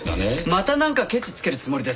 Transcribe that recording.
またなんかケチつけるつもりですか。